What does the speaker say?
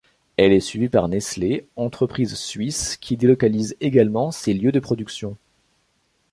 Elle est suivie par Nestlé entreprise suisse qui délocalise également ses lieux de production.